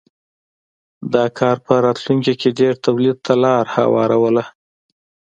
دا کار په راتلونکې کې ډېر تولید ته لار هواروله.